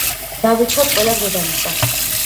დავიცვათ ყველამ დედამიწა